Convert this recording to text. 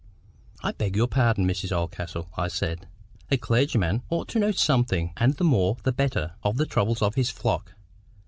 "I beg your pardon, Mrs. Oldcastle," I said. "A clergyman ought to know something, and the more the better, of the troubles of his flock.